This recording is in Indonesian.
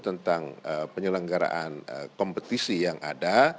tentang penyelenggaraan kompetisi yang ada